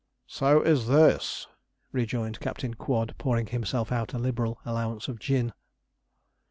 'So is this,' rejoined Captain Quod, pouring himself out a liberal allowance of gin.